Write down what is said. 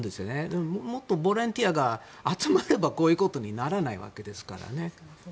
でももっとボランティアが集まればこういうことにならないわけですからね。